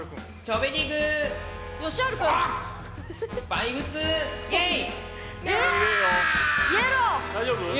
バイブスイェイ！